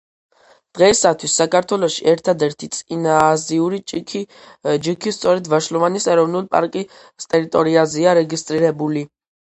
დღეისათვის საქართველოში ერთადერთი წინააზიური ჯიქი სწორედ ვაშლოვანის ეროვნული პარკის ტერიტორიაზეა რეგისტრირებული.